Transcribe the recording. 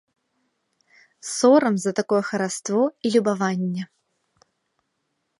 Сорам за такое хараство і любаванне.